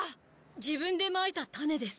自分でまいた種です。